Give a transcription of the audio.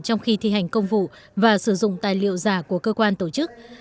trong khi thi hành công vụ và sử dụng tài liệu giả của cơ quan tổ chức